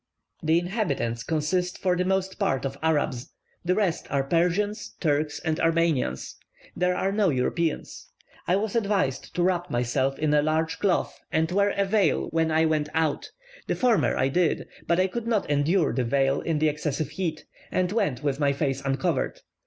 The inhabitants consist for the most part of Arabs; the rest are Persians, Turks, and Armenians. There are no Europeans. I was advised to wrap myself in a large cloth and wear a veil when I went out; the former I did, but I could not endure the veil in the excessive heat, and went with my face uncovered.